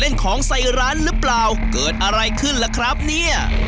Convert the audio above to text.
ของใส่ร้านหรือเปล่าเกิดอะไรขึ้นล่ะครับเนี่ย